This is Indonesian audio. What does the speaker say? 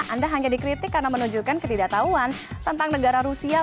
anda hanya dikritik karena menunjukkan ketidaktahuan tentang negara rusia